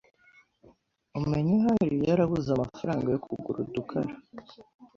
Umenya ahari yarabuze amafaranga yo kugura udukara